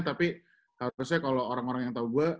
tapi harusnya kalau orang orang yang tahu gue